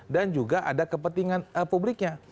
dan juga ada kepentingan publiknya